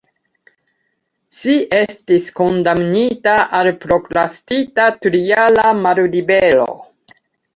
Ŝi estis kondamnita al prokrastita trijara mallibero.